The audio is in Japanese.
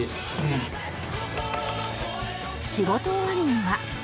仕事終わりには